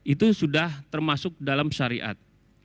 itu sudah termasuk dalam syariat